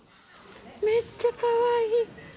めっちゃかわいい。